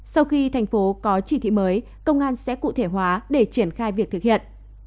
sau khi thành phố có chỉ thị mới công an sẽ cụ thể hóa để triển khai việc thực hiện